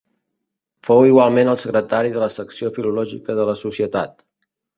Fou igualment el secretari de la secció filològica de la Societat.